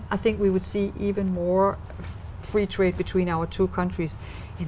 với những khu vực việt nam thân thiện